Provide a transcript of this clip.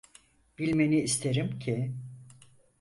Bilmeni isterim ki…